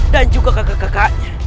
dan juga kakak kakaknya